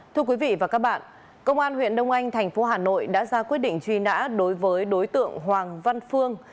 thưa quý vị và các bạn công an huyện đông anh thành phố hà nội đã ra quyết định truy nã đối với đối tượng hoàng văn phương